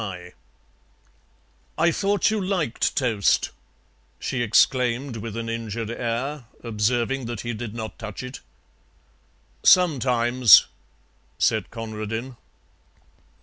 "I thought you liked toast," she exclaimed, with an injured air, observing that he did not touch it. "Sometimes," said Conradin.